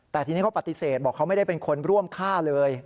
แต่ทีนี้เขาปฏิเสธบอกเขาไม่ได้เป็นคนร่วมฆ่าเลย